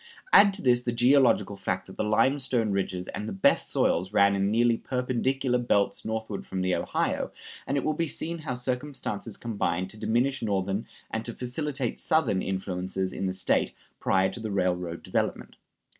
Add to this the geological fact that the limestone ridges and the best soils ran in nearly perpendicular belts northward from the Ohio, and it will be seen how circumstances combined to diminish Northern and to facilitate Southern influences in the State prior to the railroad development.